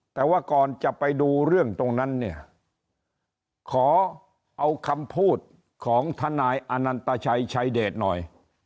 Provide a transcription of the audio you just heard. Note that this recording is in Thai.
แต่ว่าก่อนจะไปดูเรื่องตรงนั้นเนี่ยขอเอาคำพูดของทนายอนันตชัยชายเดชหน่อย